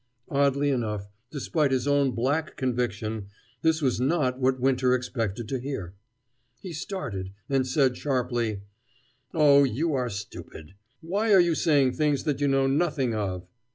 Oddly enough, despite his own black conviction, this was not what Winter expected to hear. He started, and said sharply: "Oh, you are stupid. Why are you saying things that you know nothing of?"